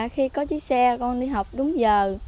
khi có chiếc xe con đi học đúng giờ